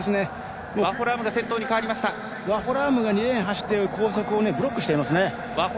ワホラームが２レーンを走っている後続をブロックしていますね。